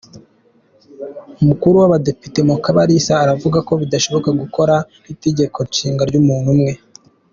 Umukuru w’abadepite Mukabarisa aravuga ko bidashoboka gukora itegekonshinga ry’umuntu umwe.